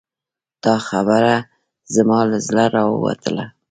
د تا خبره زما له زړه راووتله